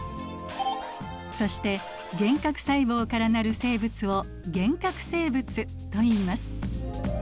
そして原核細胞から成る生物を原核生物といいます。